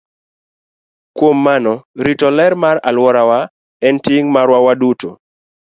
Kuom mano, rito ler mar alworawa en ting' marwa waduto.